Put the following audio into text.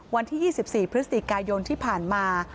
วันที่๒๔พฤศจิกายนที่ผ่านมา